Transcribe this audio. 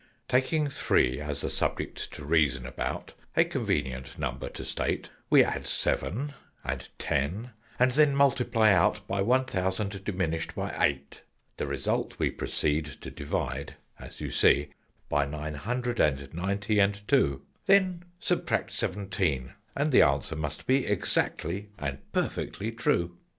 "Taking Three as the subject to reason about A convenient number to state We add Seven, and Ten, and then multiply out By One Thousand diminished by Eight. "The result we proceed to divide, as you see, By Nine Hundred and Ninety and Two: Then subtract Seventeen, and the answer must be Exactly and perfectly true.